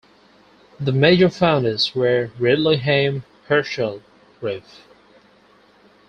The major founders were Ridley Haim Herschell, Rev.